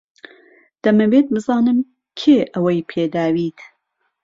دەمەوێت بزانم کێ ئەوەی پێداویت.